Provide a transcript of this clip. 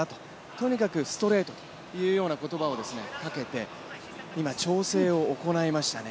とにかくストレートという言葉をかけて今、調整を行いましたね。